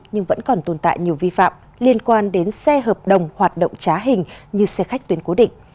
nhưng vẫn còn tồn tại nhiều vi phạm liên quan đến xe hợp đồng hoạt động trá hình như xe khách tuyến cố định